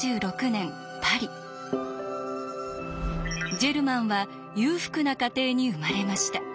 ジェルマンは裕福な家庭に生まれました。